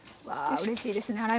わあうれしいですね